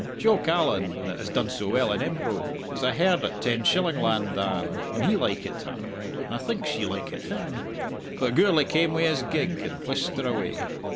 Jock Allan (that has done so well in Embro) was a herd at Tenshillingland than, and he likit her, and I think she likit him; but Gourlay came wi' his gig and whisked her away.